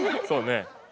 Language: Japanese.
そうね。